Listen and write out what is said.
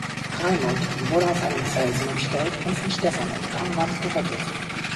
Raimund wurde auf einem Felsen umstellt und von Stephan und Konrad gerettet.